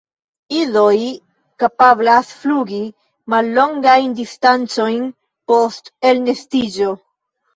Idoj kapablas flugi mallongajn distancojn post elnestiĝo.